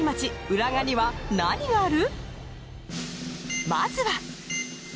浦賀には何がある？